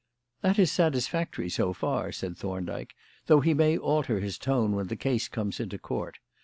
"That is satisfactory, so far," said Thorndyke, "though he may alter his tone when the case comes into Court.